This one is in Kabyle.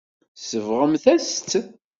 Tsebɣemt-as-tt.